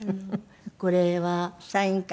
これは。サイン会？